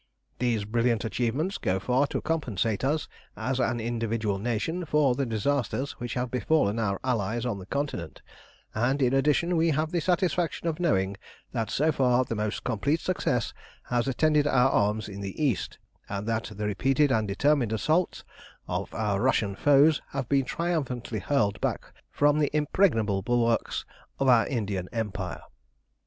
These brilliant achievements go far to compensate us as an individual nation for the disasters which have befallen our allies on the Continent, and, in addition, we have the satisfaction of knowing that, so far, the most complete success has attended our arms in the East, and that the repeated and determined assaults of our Russian foes have been triumphantly hurled back from the impregnable bulwarks of our Indian Empire.